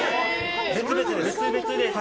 別々です。